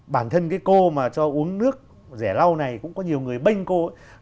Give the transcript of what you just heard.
bản thân cái cô mà cho uống nước rẻ lau này cũng có nhiều người bênh cô ấy